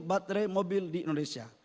baterai mobil di indonesia